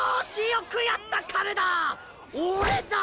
よくやった金田！